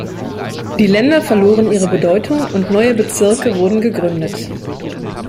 Die Länder verloren ihre Bedeutung, und neue Bezirke wurden gegründet.